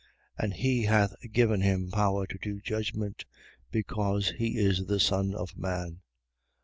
5:27. And he hath given him power to do judgment, because he is the Son of man.